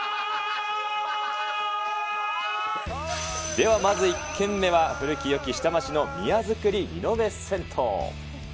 ではまず、１軒目は古きよき下町の宮造りリノベ銭湯。